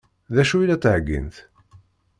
D acu i la d-ttheggint?